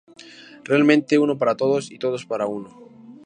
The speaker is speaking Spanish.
Realmente: Uno para Todos y Todos para Uno.